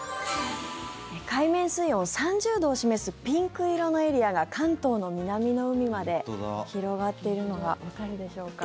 海面水温３０度を示すピンク色のエリアが関東の南の海まで広がってるのがわかるでしょうか。